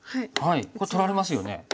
これ取られますよね。